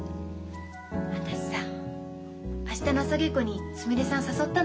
私さ明日の朝稽古にすみれさん誘ったの。